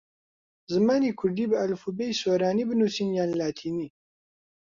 زمانی کوردی بە ئەلفوبێی سۆرانی بنووسین یان لاتینی؟